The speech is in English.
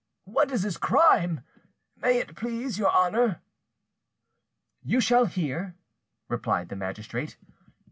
What is his crime, may it please your honour?" "You shall hear," replied the magistrate.